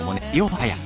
はい。